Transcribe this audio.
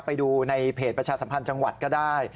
ไปดูในเพจประชาสัมพันธ์จังหวัดก็ได้